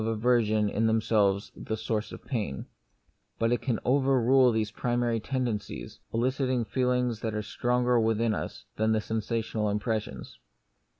1 1 aversion in themselves the source of pain ; but it can overrule these primary tendencies, eliciting feelings which are stronger within us than the sensational impressions.